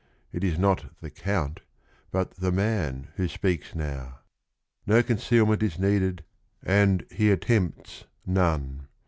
It is not the "Count" but the man who speaks now. No concealment is needed and he attempts none.